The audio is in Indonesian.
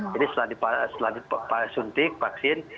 jadi setelah disuntik vaksin